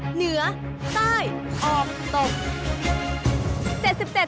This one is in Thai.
เหนือใต้ออกตก